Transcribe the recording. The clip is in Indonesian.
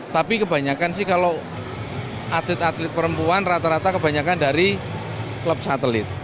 tapi kebanyakan sih kalau atlet atlet perempuan rata rata kebanyakan dari klub satelit